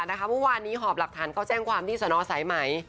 เมื่อวานนี้หอบหลักฐานก็แจ้งความดีสนอสัยใหม่